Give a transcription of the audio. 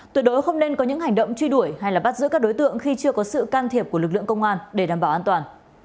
tuyệt đối không nên có những hành động truy đuổi hay bắt giữ các đối tượng khi chưa có sự can thiệp của lực lượng công an để đảm bảo an toàn